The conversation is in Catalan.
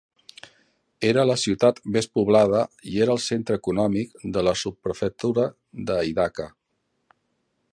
Era la ciutat més poblada i era el centre econòmic de la subprefectura de Hidaka.